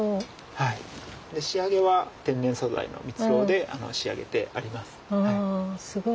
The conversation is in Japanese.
仕上げは天然素材の蜜ろうで仕上げてあります。